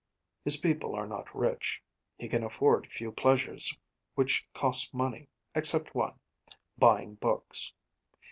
His people are not rich; he can afford few pleasures which cost money, except one buying books.